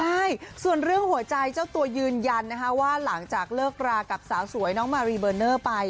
ใช่ส่วนเรื่องหัวใจเจ้าตัวยืนยันนะคะว่าหลังจากเลิกรากับสาวสวยน้องมารีเบอร์เนอร์ไป